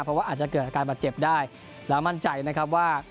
เพราะว่าอาจจะเกิดอาการบาดเจ็บได้แล้วมั่นใจนะครับว่า